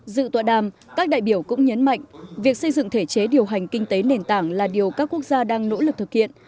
dự tọa đàm các đại biểu cũng nhấn mạnh việc xây dựng thể chế điều hành kinh tế nền tảng là điều các quốc gia đang nỗ lực thực hiện